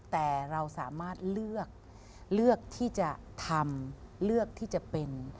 แต่เราสามารถเลือกเลือกที่จะทำเลือกที่จะเป็น